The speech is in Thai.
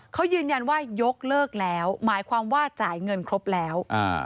เขายืนยันว่ายกเลิกแล้วหมายความว่าจ่ายเงินครบแล้วอ่า